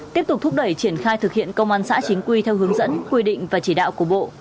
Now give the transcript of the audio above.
tiếp tục thúc đẩy triển khai thực hiện công an xã chính quy theo hướng dẫn quy định và chỉ đạo của bộ